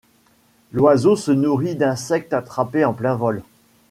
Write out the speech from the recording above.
L'oiseau se nourrit d'insectes attrapés en plein vol.